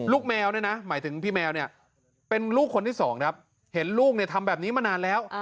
แมวเนี่ยนะหมายถึงพี่แมวเนี่ยเป็นลูกคนที่สองครับเห็นลูกเนี่ยทำแบบนี้มานานแล้ว